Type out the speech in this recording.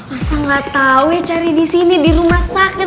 masa gak tau ya cari disini di rumah sakit